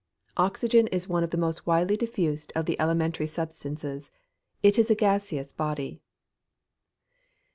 _ Oxygen is one of the most widely diffused of the elementary substances. It is a gaseous body.